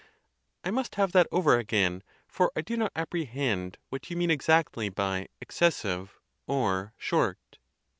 I must have that over again, for I do not apprehend what you mean exactly by "excessive" or "short."